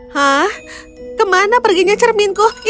hah kemana perginya cerminku